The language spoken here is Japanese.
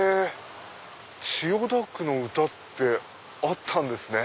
千代田区の歌あったんですね。